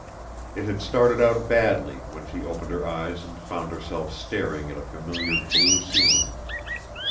It had started out badly when she opened her eyes and found herself staring at a familiar blue ceiling.